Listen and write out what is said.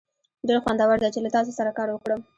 ډیر خوندور دی چې له تاسو سره کار وکړم.